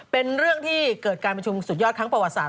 เป็นเรื่องที่เกิดการประชุมสุดยอดครั้งประวัติศาส